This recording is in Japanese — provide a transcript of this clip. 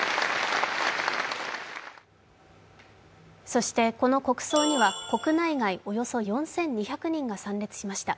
そして、この国葬には国内外およそ４２００人が参列しました。